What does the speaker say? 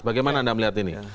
bagaimana anda melihat ini